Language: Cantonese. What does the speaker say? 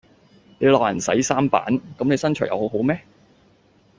你鬧人洗衫板，咁你又身材好好咩？